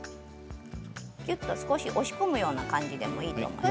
ぎゅっと少し押し込むような感じでもいいと思います。